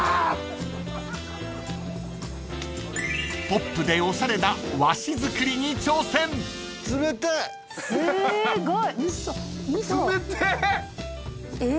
［ポップでおしゃれな和紙作りに挑戦］え。